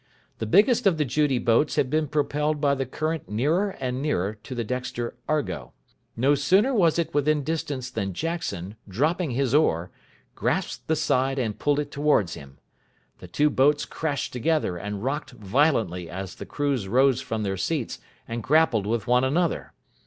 The biggest of the Judy boats had been propelled by the current nearer and nearer to the Dexter Argo. No sooner was it within distance than Jackson, dropping his oar, grasped the side and pulled it towards him. The two boats crashed together and rocked violently as the crews rose from their seats and grappled with one another.